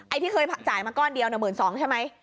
ไอ้ที่เคยจ่ายมาก้อนเดียวเนี่ย๑๒๐๐๐ใช่ไหม